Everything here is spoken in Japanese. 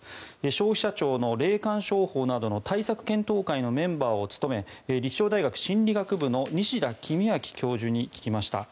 消費者庁の霊感商法などの対策検討会のメンバーを務め立正大学心理学部の西田公昭教授に聞きました。